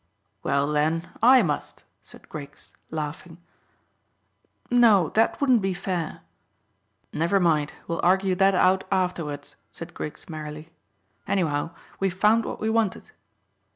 "Well, then, I must," said Griggs, laughing. "No, that wouldn't be fair." "Never mind; we'll argue that out afterwards," said Griggs merrily. "Anyhow, we've found what we wanted."